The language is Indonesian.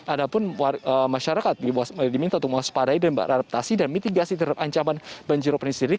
ada pun masyarakat diminta untuk mewaspadai dan beradaptasi dan mitigasi terhadap ancaman banjirop ini sendiri